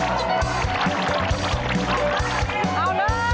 โอเคไปแล้ว